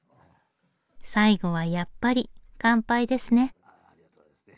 最後はやっぱり乾杯ですね。